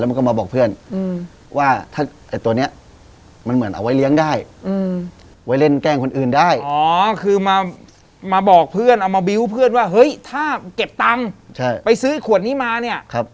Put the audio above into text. มันบอกว่าเห็นคนที่ซื้อขวดนี้มา